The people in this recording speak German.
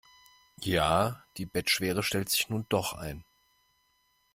Ja, die Bettschwere stellt sich nun doch ein.